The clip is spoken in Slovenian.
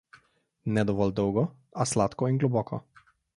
Ne dovolj dolgo, a sladko in globoko.